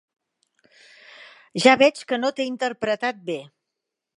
Ja veig que no t'he interpretat bé!